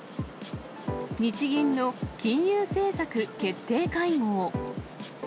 日銀の金融政策決定会合。